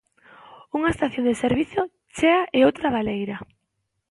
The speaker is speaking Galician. Unha estación de servizo chea e outra baleira.